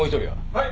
はい。